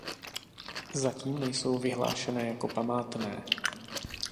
Zatím nejsou vyhlášené jako památné.